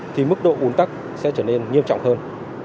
thì mức độ ủn tắc sẽ trở nên nghiêm trọng hơn